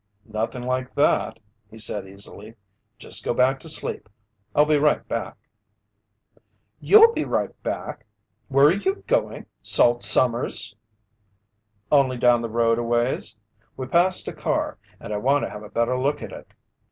"Nothing like that," he said easily. "Just go back to sleep. I'll be right back." "You'll be right back! Where are you going, Salt Sommers?" "Only down the road a ways. We passed a car, and I want to have a better look at it."